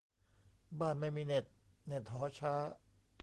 -บ้านไม่มีเน็ต เน็ตหอช้า